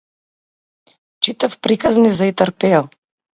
Читав приказни за Итар Пејо.